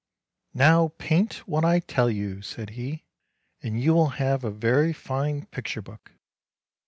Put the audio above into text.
" Now paint what I tell you! " said he, " and you will have a very fine picture book."